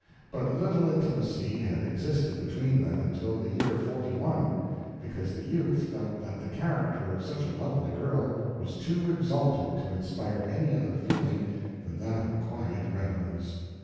But little intimacy had existed between them until the year forty one because the youth felt that the character of such a lovely girl was too exalted to inspire any other feeling than that of quiet reverence.